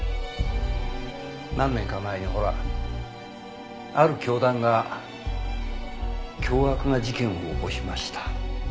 何年か前にほらある教団が凶悪な事件を起こしました。